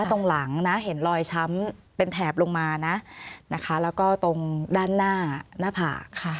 ตรงหลังนะเห็นรอยช้ำเป็นแถบลงมานะนะคะแล้วก็ตรงด้านหน้าหน้าผาก